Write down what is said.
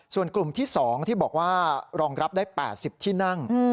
ส่วนกลุ่มที่๒ที่บอกว่ารองรับได้๘๐ที่นั่ง